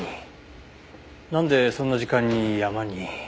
なんでそんな時間に山に。